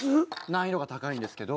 難易度が高いんですけど。